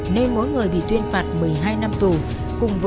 nên mỗi người bị cáo nguyễn hữu sơn và nguyễn huy dương đều chưa đủ một mươi tám tuổi